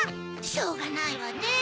しょうがないわね。